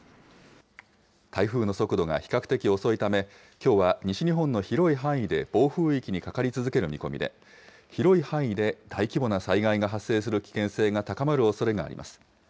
台風の速度が比較的遅いため、きょうは西日本の広い範囲で暴風域にかかり続ける見込みで、広い範囲で大規模な災害が発生する危険性が高まるおそれがあります。